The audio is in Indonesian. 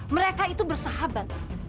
mereka itu bersahabat